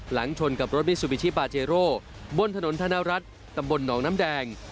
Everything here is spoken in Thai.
ชนกับรถมิซูบิชิปาเจโร่บนถนนธนรัฐตำบลหนองน้ำแดง